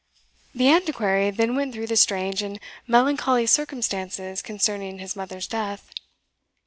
The Antiquary then went through the strange and melancholy circumstances concerning his mother's death.